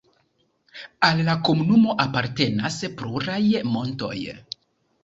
Al la komunumo apartenas pluraj montoj.